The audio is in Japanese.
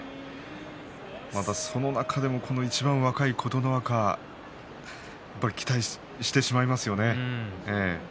その中でもいちばん若い琴ノ若期待してしまいますよね。